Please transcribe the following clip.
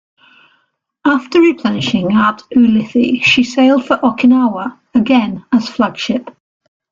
After replenishing at Ulithi, she sailed for Okinawa, again as flagship.